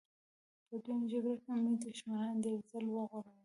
په دویمه جګړه کې مې دښمنان ډېر ځله وغولول